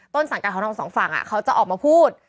ต้นสังกัดของท้องสองฝั่งอะเขาจะออกมาพูด